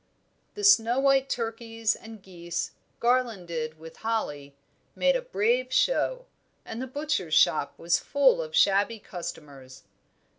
The snow white turkeys and geese, garlanded with holly, made a brave show; and the butcher's shop was full of shabby customers.